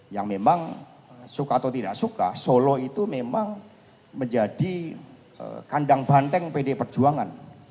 yang memang suka atau tidak suka solo itu memang menjadi kandang banteng pd perjuangan